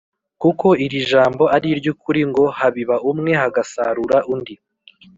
. Kuko iri jambo ari iry’ukuri ngo ‘Habiba umwe, hagasarura undi.